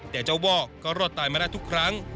แต่เจ้าวอกก็รอดตายมาได้ทุกครั้ง